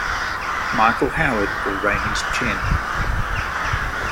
Michael Howard or Raymond Chen.